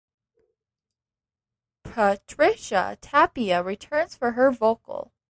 Patricia Tapia returns for her vocal.